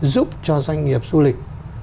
giúp cho doanh nghiệp du lịch